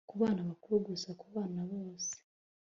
ku bana bakuru gusa ku bana bose